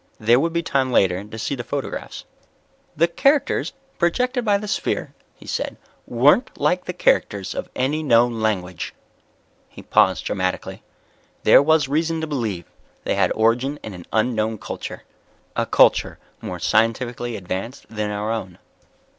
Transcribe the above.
There would be time later to see the photographs. "The characters projected by the sphere," he said, "weren't like the characters of any known language." He paused dramatically. "There was reason to believe they had origin in an unknown culture. A culture more scientifically advanced than our own."